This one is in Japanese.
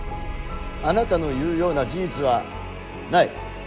あなたの言うような事実はない。